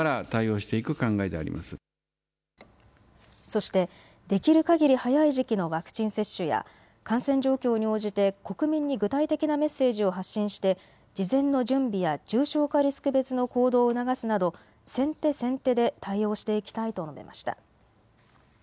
そして、できるかぎり早い時期のワクチン接種や感染状況に応じて国民に具体的なメッセージを発信して事前の準備や重症化リスク別の行動を促すなど先手先手で対応していきたいと述べました。